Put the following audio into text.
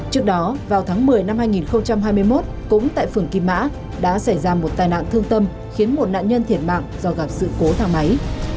trước đó vào tháng một mươi năm hai nghìn hai mươi một cũng tại phường kim mã đã xảy ra một tai nạn thương tâm khiến một nạn nhân thiệt mạng do gặp sự cố thang máy